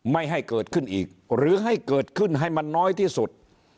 ไม่ให้เกิดขึ้นอีกหรือให้เกิดขึ้นให้มันน้อยที่สุด